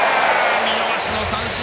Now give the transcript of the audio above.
見逃しの三振！